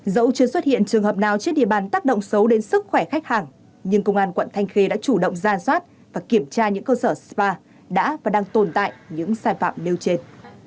dẫu chưa xuất hiện trường hợp nào trên địa bàn tác động xấu đến sức khỏe khách hàng nhưng công an quận thanh khê đã chủ động ra soát và kiểm tra những cơ sở spa đã và đang tồn tại những sai phạm nêu trên